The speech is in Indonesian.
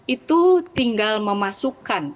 itu tinggal memasukkan